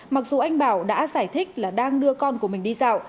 mặc dù anh bảo đã giải thích là đang đưa con của mình đi dạo